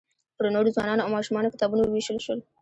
پر نوو ځوانانو او ماشومانو کتابونه ووېشل شول.